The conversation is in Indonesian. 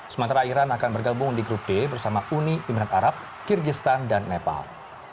sementara iran akan bergabung di grup d bersama uni emirat arab kyrgyzstan dan nepal